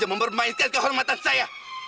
dan mempermainkan kehormatan saya